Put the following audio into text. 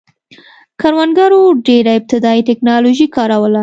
کروندګرو ډېره ابتدايي ټکنالوژي کاروله